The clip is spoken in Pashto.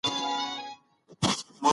دغه سړي هم هغې ته د پیسو وړاندیز وکړ.